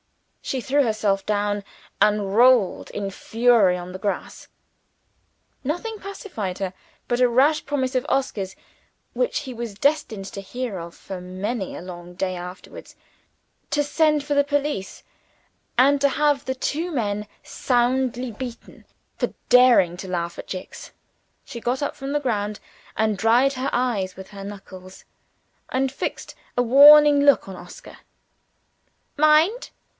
She threw herself down, and rolled in fury on the grass. Nothing pacified her but a rash promise of Oscar's (which he was destined to hear of for many a long day afterwards) to send for the police, and to have the two men soundly beaten for daring to laugh at Jicks. She got up from the ground, and dried her eyes with her knuckles, and fixed a warning look on Oscar. "Mind!"